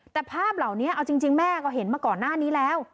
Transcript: แต่ภาพเหล่านี้เอาจริงแม่ก็เห็นมาก่อนหน้านี้แล้ว